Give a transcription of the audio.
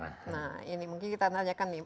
nah ini mungkin kita nanyakan nih